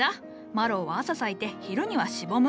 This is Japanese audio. マロウは朝咲いて昼にはしぼむ。